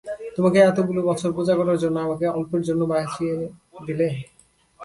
তোমাকে এতগুলো বছর পুজা করার জন্য আমাকে অল্পের জন্য বাঁচিয়ে দিলে।